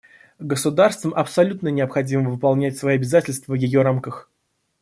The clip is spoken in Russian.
Государствам абсолютно необходимо выполнять свои обязательства в ее рамках.